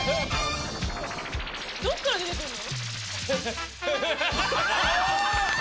どっから出てくんの？